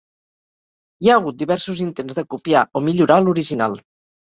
Hi ha hagut diversos intents de copiar o millorar l'original.